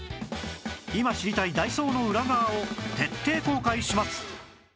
今知りたいダイソーの裏側を徹底公開します！